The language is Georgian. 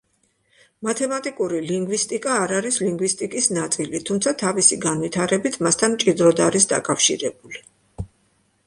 მათემატიკური ლინგვისტიკა არ არის ლინგვისტიკის ნაწილი, თუმცა თავისი განვითარებით, მასთან მჭიდროდ არის დაკავშირებული.